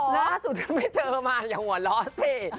เนื้อประศุทธิ์ยังไม่เจอมาชัดอย่าหว่าร้อสิ